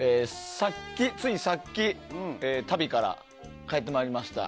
ついさっき旅から帰ってまいりました。